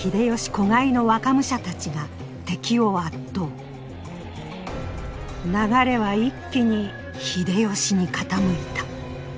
子飼いの若武者たちが敵を圧倒流れは一気に秀吉に傾いた。